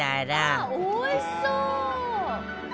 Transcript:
大西：おいしそう！